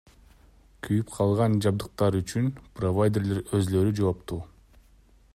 Күйүп калган жабдыктар үчүн провайдерлер өзүлөрү жоопту.